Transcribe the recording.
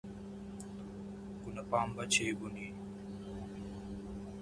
గునపంబు చేబూని